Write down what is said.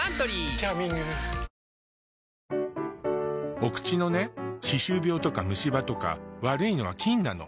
お口のね歯周病とか虫歯とか悪いのは菌なの。